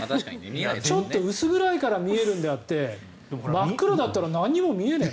ちょっと薄暗いから見えるんであって真っ暗だったら何も見えない。